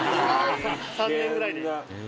３年ぐらいで。